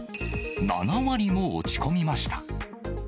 ７割も落ち込みました。